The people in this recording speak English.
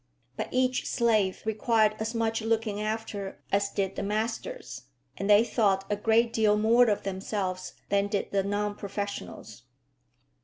But each "slave" required as much looking after as did the masters, and they thought a great deal more of themselves than did the non professionals.